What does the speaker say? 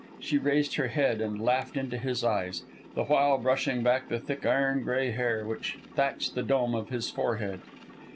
She raised her head and laughed into his eyes, the while brushing back the thick iron gray hair which thatched the dome of his forehead.